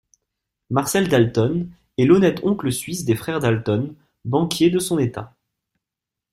Marcel Dalton est l'honnête oncle suisse des frères Dalton, banquier de son état.